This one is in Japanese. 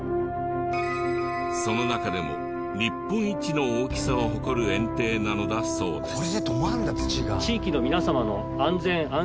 その中でも日本一の大きさを誇る堰堤なのだそうです。